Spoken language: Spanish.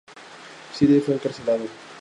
Syed fue encarcelado.